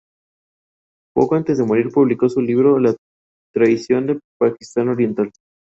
Poco antes de morir publicó su libro "La traición de Pakistán Oriental".